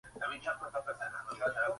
A ambos les movían los mismos ideales.